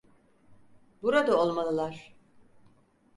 Burada olmalılar.